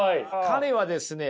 彼はですね